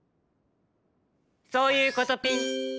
そういうことピン！